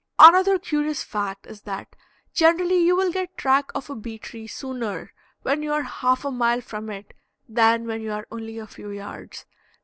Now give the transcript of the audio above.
Another curious fact is that generally you will get track of a bee tree sooner when you are half a mile from it than when you are only a few yards.